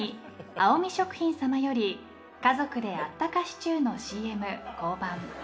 アオミ食品さまより家族であったかシチューのＣＭ降板。